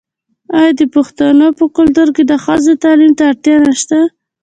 آیا د پښتنو په کلتور کې د ښځو تعلیم ته اړتیا نشته؟